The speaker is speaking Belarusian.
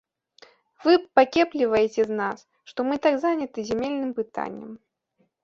Вы пакепліваеце з нас, што мы так заняты зямельным пытаннем.